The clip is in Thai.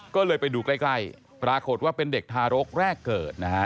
ก็เลยไปดูใกล้ปรากฏว่าเป็นเด็กทารกแรกเกิดนะฮะ